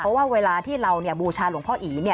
เพราะว่าเวลาที่เราบูชาหลวงพ่ออี